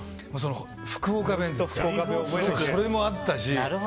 福岡弁、それもあったし。